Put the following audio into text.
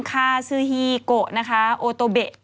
คาซึฮีโกโอโตเบะ